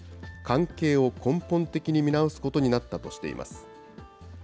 関係を根本的に見直すことになったとしています。